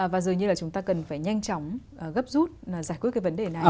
và dường như là chúng ta cần phải nhanh chóng gấp rút giải quyết cái vấn đề này